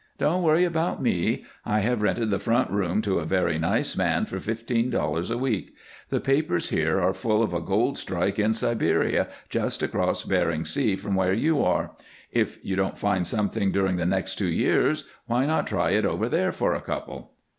Don't worry about me. I have rented the front room to a very nice man for fifteen dollars a week. The papers here are full of a gold strike in Siberia, just across Bering Sea from where you are. If you don't find something during the next two years, why not try it over there for a couple?"